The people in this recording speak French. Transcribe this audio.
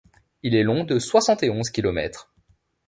Il est long de soixante-et-onze kilomètres.